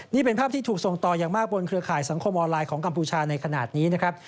นี่เป็นภาพที่ถูกส่งต่ออย่างมากบนเครือข่ายสังคมออนไลน์ของกัมพูชาในขณะนี้นะครับ